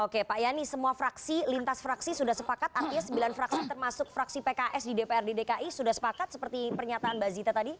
oke pak yani semua fraksi lintas fraksi sudah sepakat artinya sembilan fraksi termasuk fraksi pks di dprd dki sudah sepakat seperti pernyataan mbak zita tadi